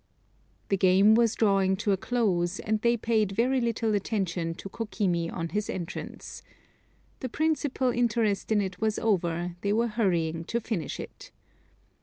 The game was drawing to a close, and they paid very little attention to Kokimi on his entrance. The principal interest in it was over; they were hurrying to finish it.